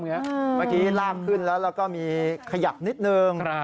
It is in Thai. เมื่อกี้ลากขึ้นแล้วแล้วก็มีขยับนิดนึง